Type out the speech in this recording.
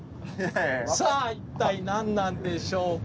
さあ一体何なんでしょうか？